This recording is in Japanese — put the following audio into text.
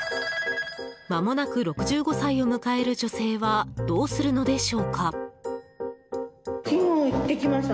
まもなく６５歳を迎える女性はどうするのでしょうか？